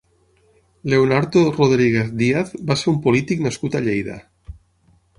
Leonardo Rodríguez Díaz va ser un polític nascut a Lleida.